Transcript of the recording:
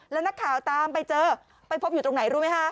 แล้วนักข่าวตามไปเจอไปพบอยู่ตรงไหนรู้ไหมคะ